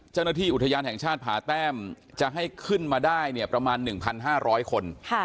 เจ้าหน้าที่อุทยานแห่งชาติผาแต้มจะให้ขึ้นมาได้เนี่ยประมาณ๑๕๐๐คน